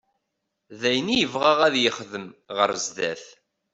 D ayen i yebɣa ad yexdem ɣer sdat.